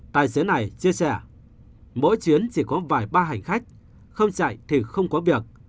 tài xế này chia sẻ mỗi chuyến chỉ có vài ba hành khách không chạy thì không có việc